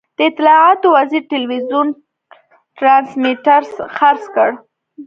د اطلاعاتو وزیر ټلوېزیون ټرانسمیټر خرڅ کړ.